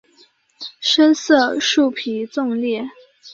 深色树皮纵裂。